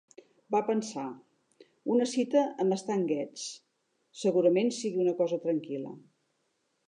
Va pensar: "una cita amb Stan Getz... Segurament sigui una cosa tranquil·la".